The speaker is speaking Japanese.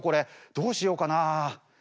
どうしようかな。